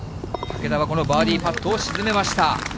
竹田はこのバーディーパットを沈めました。